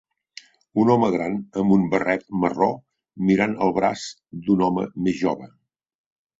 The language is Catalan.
Un home gran amb un barret marró mirant el braç d"un home més jove.